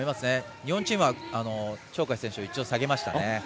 日本チームは鳥海選手を一度下げました。